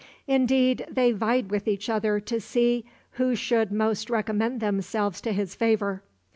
Indeed, they vied with each other to see who should most recommend themselves to his favor.